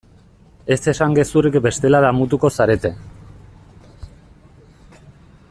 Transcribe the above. Ez esan gezurrik bestela damutuko zarete.